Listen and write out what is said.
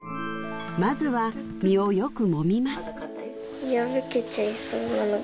まずは実をよくもみます